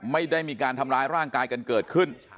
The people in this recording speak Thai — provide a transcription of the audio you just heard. ไม่ได้มีการทำร้ายร่างกายกันเกิดขึ้น